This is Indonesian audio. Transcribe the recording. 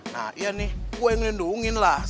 nah yan nih gue yang ngedukungin lah